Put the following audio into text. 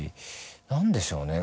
何でしょうね